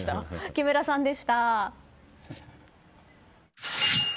木村さんでした。